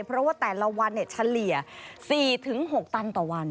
เพราะว่าแต่ละวันเฉลี่ย๔๖ตันต่อวัน